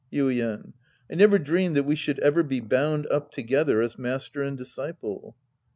Yuien. I never dreamed that we should ever be bound up together as master and disciple.